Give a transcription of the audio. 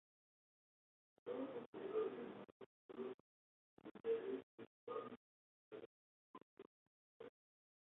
Fueron poseedores de numerosos títulos nobiliarios y ocuparon importantes cargos tanto políticos como militares.